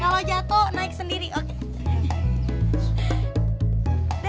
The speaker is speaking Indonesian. kalau jatuh naik sendiri oke